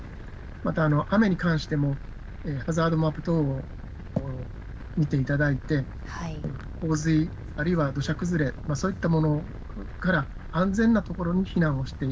また、雨に関しても、ハザードマップ等を見ていただいて、洪水、あるいは土砂崩れ、そういったものから安全な所に避難をして、